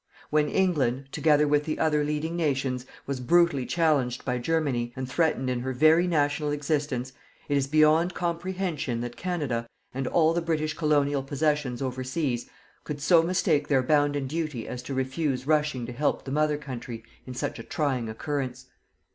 When England, together with the other leading nations, was brutally challenged by Germany, and threatened in her very national existence, it is beyond comprehension that Canada, and all the British colonial possessions overseas, could so mistake their bounden duty as to refuse rushing to help the Mother Country in such a trying occurrence.